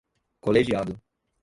colegiado